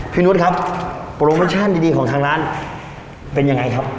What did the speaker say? นุษย์ครับโปรโมชั่นดีของทางร้านเป็นยังไงครับ